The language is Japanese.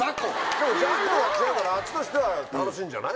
でもジャンルは違うからあっちとしては楽しいんじゃない？